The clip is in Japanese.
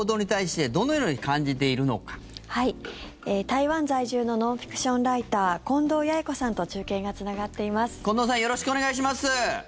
台湾在住のノンフィクションライター近藤弥生子さんと中継がつながっています。